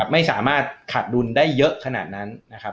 ไม่สามารถขาดดุลได้เยอะขนาดนั้นนะครับ